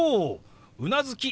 うなずき